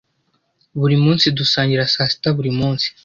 Buri munsi dusangira saa sita buri munsi.